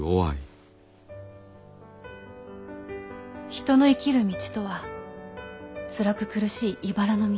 人の生きる道とはつらく苦しい茨の道。